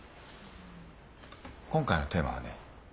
今回のテーマはね